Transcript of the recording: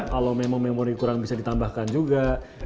kalau memang memoni kurang bisa ditambahkan juga